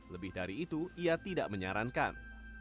lebih dari itu ia tidak menyarankan